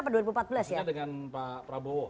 maksudnya dengan pak prabowo